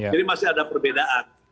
jadi masih ada perbedaan